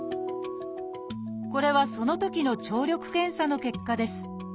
これはそのときの聴力検査の結果です。